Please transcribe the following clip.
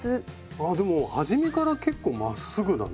あでも初めから結構まっすぐだね。